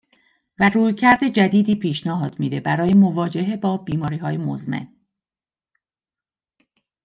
و رویکرد جدیدی پیشنهاد میده برای مواجهه با بیماریهای مُزمِن.